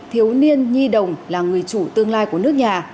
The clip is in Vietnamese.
thiếu niên nhi đồng là người chủ tương lai của nước nhà